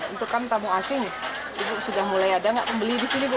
untuk kan tamu asing ibu sudah mulai ada nggak membeli di sini bu